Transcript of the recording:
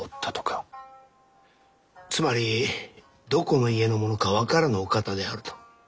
つまりどこの家の者か分からぬお方であると？